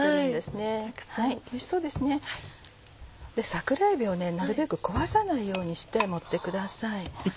桜えびをなるべく壊さないようにして盛ってください。